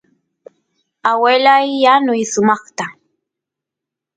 aguelay yanuy sumaqta